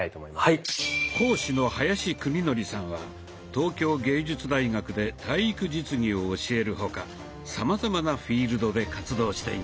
東京藝術大学で体育実技を教える他さまざまなフィールドで活動しています。